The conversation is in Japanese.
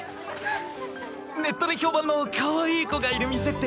ネットで評判のかわいい子がいる店って。